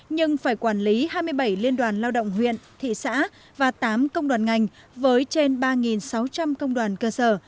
nhưng phải quản lý hai mươi bảy liên đoàn lao động huyện thị xã và tám công đoàn ngành với trên ba sáu trăm linh công đoàn cơ sở